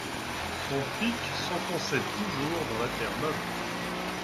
Son pic s’enfonçait toujours dans la terre meuble.